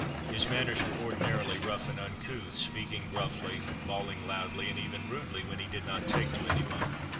His manners were ordinarily rough and uncouth, speaking gruffly, bawling loudly, and even rudely when he did not take to any one.